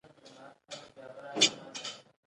د بزګرۍ ځمکې او تولیدي شرکتونه د دوی دي